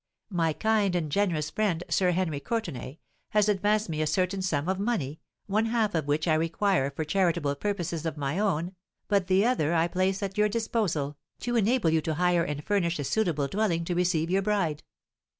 My kind and generous friend, Sir Henry Courtenay, has advanced me a certain sum of money, one half of which I require for charitable purposes of my own; but the other I place at your disposal, to enable you to hire and furnish a suitable dwelling to receive your bride.